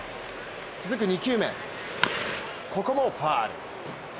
続く２球目、ここもファウル。